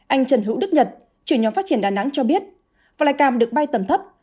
anh trần hữu đức nhật trưởng nhóm phát triển đà nẵng cho biết flycam được bay tầm thấp